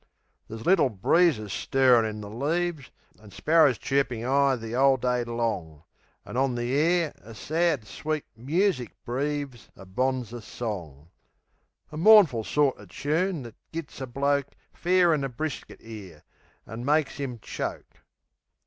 Ther's little breezes stirrin' in the leaves, An' sparrers chirpin' 'igh the 'ole day long; An' on the air a sad, sweet music breaves A bonzer song A mournful sorter choon thet gits a bloke Fair in the brisket 'ere, an' makes 'im choke